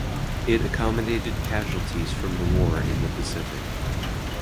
It accommodated casualties from the war in the Pacific.